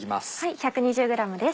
１２０ｇです。